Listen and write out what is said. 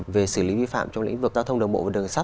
về xử lý vi phạm trong lĩnh vực giao thông đường bộ và đường sắt